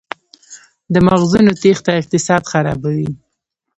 د مغزونو تیښته اقتصاد خرابوي؟